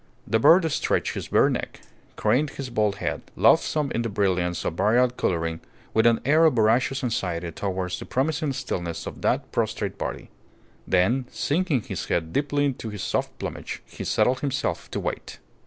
The bird stretched his bare neck, craned his bald head, loathsome in the brilliance of varied colouring, with an air of voracious anxiety towards the promising stillness of that prostrate body. Then, sinking his head deeply into his soft plumage, he settled himself to wait.